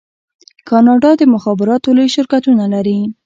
کاناډا د مخابراتو لوی شرکتونه لري.